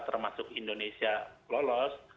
termasuk indonesia lolos